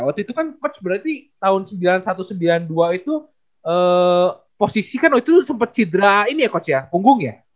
waktu itu kan coach berarti tahun seribu sembilan ratus sembilan puluh satu seribu sembilan ratus sembilan puluh dua itu posisi kan oh itu sempet cedera ini ya coach ya punggung ya